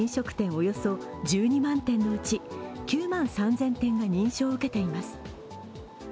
およそ１２万店のうち９万３０００店が認証を受けています。